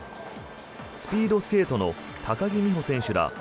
スピードスケートの高木美帆選手ら